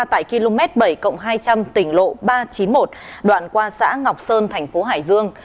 tại km bảy hai trăm linh tỉnh lộ ba trăm chín mươi một đoạn qua xã ngọc sơn thành phố hải dương